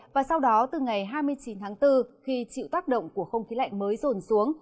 và sau đó từ ngày hai mươi chín tháng bốn khi chịu tác động của không khí lạnh mới rồn xuống